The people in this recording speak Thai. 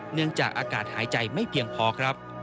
เนื่องจากอากาศหายใจไม่เพียงพอครับ